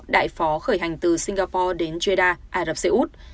đại phó khởi hành từ singapore đến jeda ả rập xê út